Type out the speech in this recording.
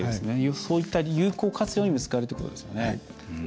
そういった有効活用にも使えるということですね。